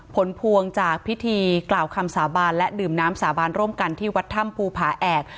ผลพวงจากพิธีกล่าวคำสาบานและดื่มน้ำสาบานร่วมกันที่วัดถ้ำภูผาแอก